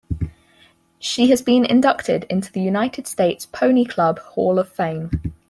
She has been inducted into the United States Pony Club Hall of Fame.